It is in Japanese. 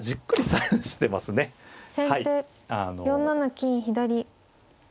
先手４七金左。